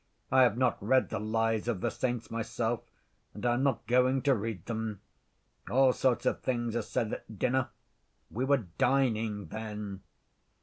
I have not read the Lives of the Saints myself, and I am not going to read them ... all sorts of things are said at dinner—we were dining then."